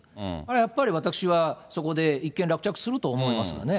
やっぱり私は、そこで一件落着すると思いますけどね。